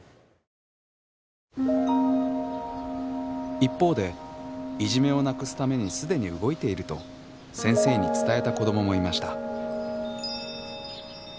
一方でいじめをなくすために既に動いていると先生に伝えた子どももいました。